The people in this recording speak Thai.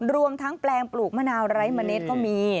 รวมทั้งแปลงปลูกมะนาวไร้เมล็ดก็มี